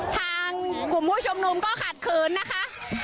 ทางกลุ่มผู้ชุมนุมก็ขัดขืนนะคะ